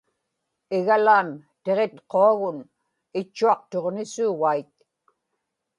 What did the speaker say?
igalaam tiġitquagun itchuaqtuġnisuugait